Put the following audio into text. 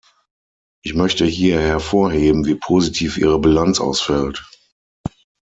Ich möchte hier hervorheben, wie positiv Ihre Bilanz ausfällt.